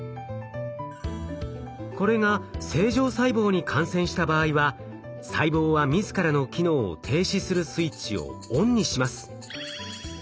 これが正常細胞に感染した場合は細胞は自らの機能を停止するスイッチをＯＮにします。